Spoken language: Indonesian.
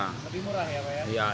lebih murah ya pak ya